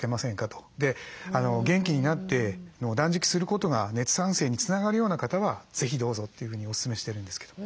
で元気になって断食することが熱産生につながるような方は是非どうぞっていうふうにおすすめしてるんですけど。